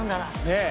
ねえ。